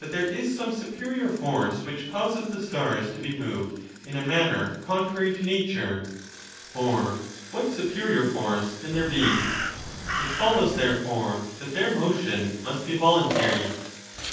2 '71 there is some superior force which causes the stars to be moved in a manner contrary to nature. For what supe rior force can there be ? It follows, therefore, that their motion must be voluntary.